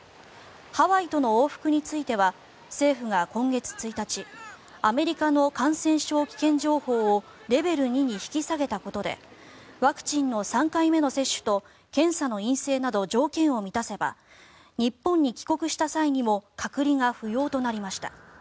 ハワイとの往復については政府が今月１日アメリカの感染症危険情報をレベル２に引き下げたことでワクチンの３回目の接種と検査の陰性など条件を満たせば日本に帰国した際にも隔離が不要となりました。